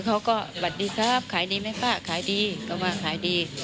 เขาก็สวัสดีครับขายดีไหมป้าขายดีก็ว่าขายดี